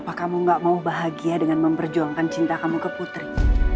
apa kamu gak mau bahagia dengan memperjuangkan cinta kamu ke putri